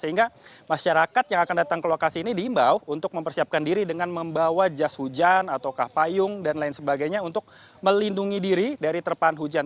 sehingga masyarakat yang akan datang ke lokasi ini diimbau untuk mempersiapkan diri dengan membawa jas hujan ataukah payung dan lain sebagainya untuk melindungi diri dari terpahan hujan